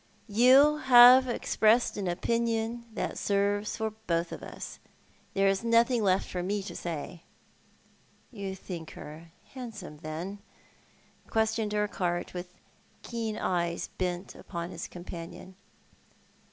" You have expressed an opinion that serves for both of us. There is nothing left for me to say." " You think her handsome, tlien ?" questioned Urquhart, with keen eyes bent upon his companion.